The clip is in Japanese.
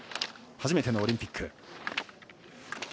初めてのオリンピック。